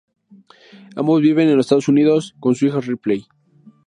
Ambos viven en los Estados Unidos con su hija Ripley.